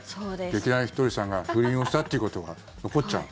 劇団ひとりさんが不倫をしたということが残っちゃう。